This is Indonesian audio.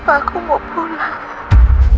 papa aku mau pulang